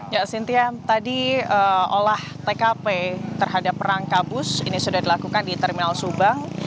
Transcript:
ya sintia tadi olah tkp terhadap rangka bus ini sudah dilakukan di terminal subang